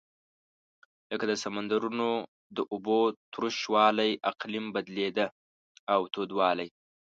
لکه د سمندرونو د اوبو تروش والۍ اقلیم بدلېده او تودوالی.